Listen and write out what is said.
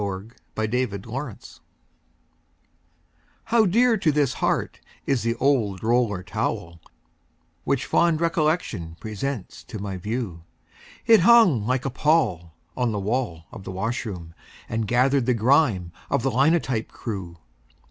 THE OLD ROLLER TOWEL How dear to this heart is the old roller towel Which fond recollection presents to my view. It hung like a pall on the wall of the washroom, And gathered the grime of the linotype crew.